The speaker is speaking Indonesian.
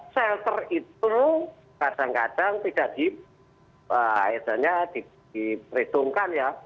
shelter itu kadang kadang tidak diperhitungkan ya